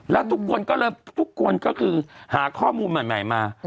แล้วทุกคนก็คือหาข้อมูลใหม่มา